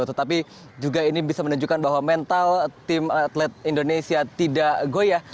tetapi juga ini bisa menunjukkan bahwa mental tim atlet indonesia tidak goyah